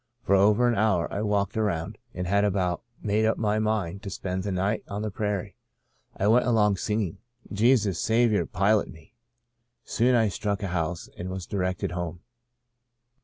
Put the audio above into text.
For over an hour I walked around and had about made up my mind to spend the night on the prairie. I went along singing, * Jesus, Saviour, Pilot Me.' Soon I struck a house and was directed home.